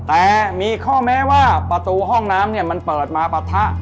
แต่มีข้อแม้ว่าประตูห้องน้ำมันเปิดมาปะทะ